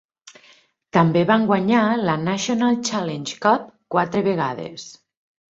També van guanyar la National Challenge Cup quatre vegades.